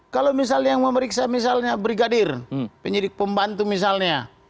kalau misalnya yang memeriksa misalnya brigadir penyidik pembantu misalnya